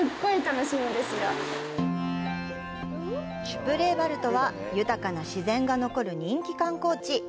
シュプレールヴァルトは豊かな自然が残る人気観光地。